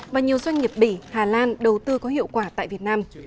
và nhiều doanh nghiệp bỉ hà lan đầu tư có hiệu quả tại việt nam